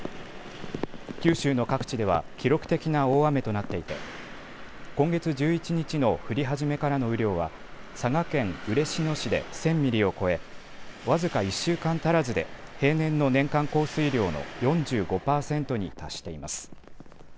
九州の各地では記録的な大雨となっていて今月１１日の降り始めからの雨量は佐賀県嬉野市で１０００ミリを超え、僅か１週間足らずで平年の年間降水量の４５％に達しています。